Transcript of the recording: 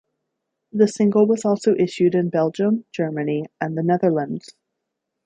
The single was also issued in Belgium, Germany and the Netherlands.